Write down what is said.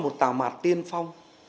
một tào mạt tiên phong